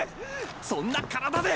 そんな体で！